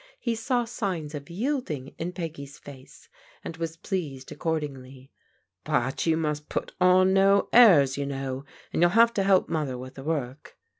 He saw signs of yielding in Peggy's face, and was pleased accordingly. " But you must put on no airs, you know, and youll have to help Mother with the work."